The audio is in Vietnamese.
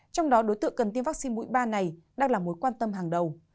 trong đó đối tượng cần tiêm vaccine mũi ba này đang là mối quan tâm hàng đầu